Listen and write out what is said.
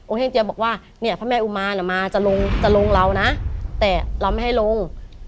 แห่งเจียบอกว่าเนี่ยพระแม่อุมารมาจะลงจะลงเรานะแต่เราไม่ให้ลง